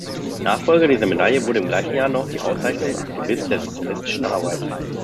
Nachfolger dieser Medaille wurde im gleichen Jahr noch die Auszeichnung Aktivist der sozialistischen Arbeit.